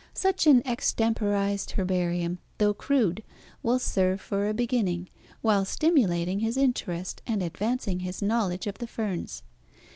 Such an extemporized herbarium, though crude, will serve for a beginning, while stimulating his interest, and advancing his knowledge of the ferns.